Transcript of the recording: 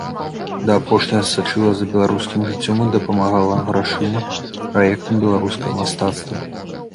Да апошняга сачыла за беларускім жыццём і дапамагала грашыма праектам беларускага мастацтва.